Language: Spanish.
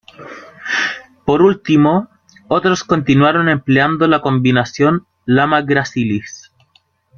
Por último, otros continuaron empleando la combinación "Lama gracilis".